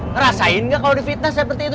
ngerasain nggak kalau di fitnah seperti itu